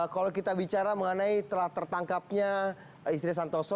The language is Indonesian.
kalau kita bicara mengenai telah tertangkapnya istri santoso